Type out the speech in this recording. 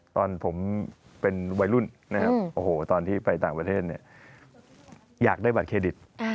ตอนผมเป็นวัยรุ่นนะครับโอ้โหตอนที่ไปต่างประเทศเนี่ยอยากได้บัตรเครดิต